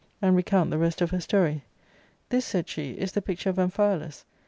—Book L S7 and recount the rest of her story. " This," said she, " is the picture of Amphialus